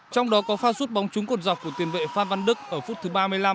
trong đó có pha sút bóng trúng cột dọc của tiền vệ phan văn đức ở phút thứ ba mươi năm